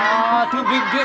ah tuh gigit